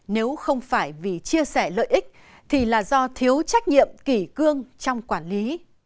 nếu không phải vì chia sẻ lợi ích thì là do thiếu trách nhiệm kỷ cương trong quản lý